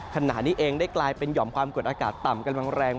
ขณะนี้เองได้กลายเป็นหอมความกดอากาศต่ำกำลังแรง